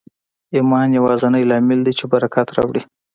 ایمان یوازېنی لامل دی چې برکت راوړي